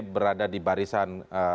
berada di barisan